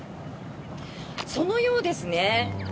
そのようですね。